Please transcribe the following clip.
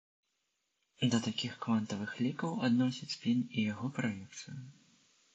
Да такіх квантавых лікаў адносяць спін і яго праекцыю.